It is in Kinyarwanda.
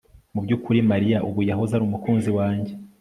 Mubyukuri Mariya ubu yahoze ari umukunzi wanjye